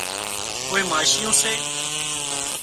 ڪوئي ماشيون سي